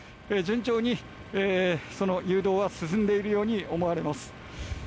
順調に誘導は進んでいるように思われます。